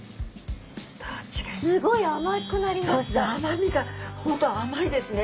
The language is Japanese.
すごい甘みが本当甘いですね。